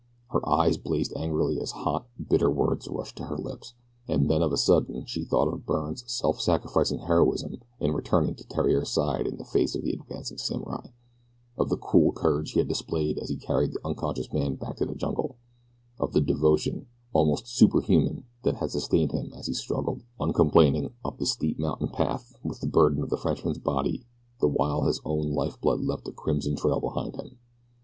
Her eyes blazed angrily as hot, bitter words rushed to her lips, and then of a sudden she thought of Byrne's self sacrificing heroism in returning to Theriere's side in the face of the advancing samurai of the cool courage he had displayed as he carried the unconscious man back to the jungle of the devotion, almost superhuman, that had sustained him as he struggled, uncomplaining, up the steep mountain path with the burden of the Frenchman's body the while his own lifeblood left a crimson trail behind him.